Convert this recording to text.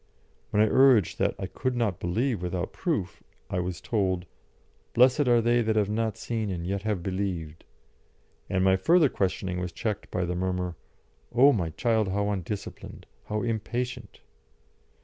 When I urged that I could not believe without proof, I was told, "Blessed are they that have not seen and yet have believed"; and my further questioning was checked by the murmur, "O my child, how undisciplined! how impatient!"